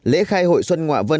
lễ khai hội xuân ngoạ vân